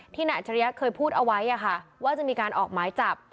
ที่นาฬิกาเคยพูดเอาไว้ค่ะว่าจะมีการออกไม้จับ